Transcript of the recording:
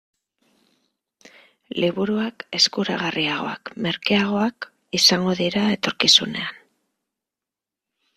Liburuak eskuragarriagoak, merkeagoak, izango dira etorkizunean.